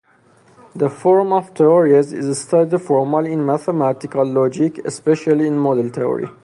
The form of theories is studied formally in mathematical logic, especially in model theory.